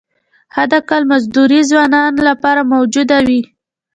حداقل مزدوري ځوانانو لپاره موجوده وي.